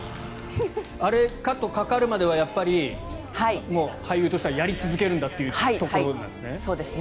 あれ、カットかかるまではやっぱり俳優としてはやり続けるんだというところなんですね。